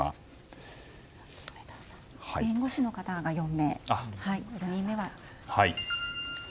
弁護士の方が４人目と。